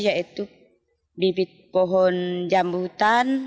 yaitu bibit pohon jambu hutan